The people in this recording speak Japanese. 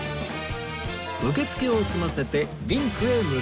受付を済ませてリンクへ向かいます